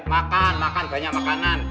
makan makan banyak makanan